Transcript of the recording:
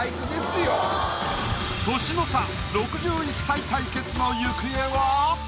年の差６１歳対決の行方は？